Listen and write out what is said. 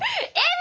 Ｍ！